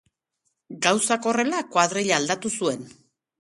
Gauzak horrela, kuadrilla aldatu zuen.